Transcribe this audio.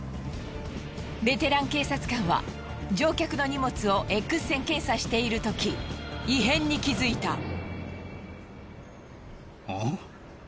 ベテラン警察官は乗客の荷物をＸ線検査しているとき異変に気づいた。